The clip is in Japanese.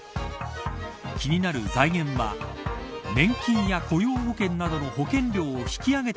気になる財源は年金や雇用保険などの保険料を引き上げて